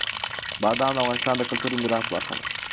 بادام د افغانستان د کلتوري میراث برخه ده.